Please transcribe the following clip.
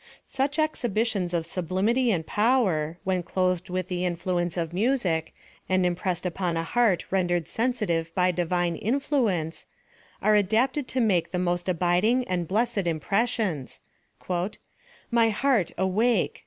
Such exhibitions of sublimity and power, when clothed with the influence of music, and impressed upon a heart rendered sensitive by divine influence, are adapted to make the most abiding and blessed impressions —" My heart, awake